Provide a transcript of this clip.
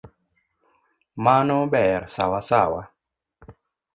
Mano ber sawasawa.